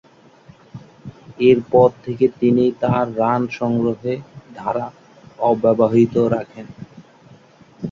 এরপর থেকে তিনি তার রান সংগ্রহের ধারা অব্যাহত রাখেন।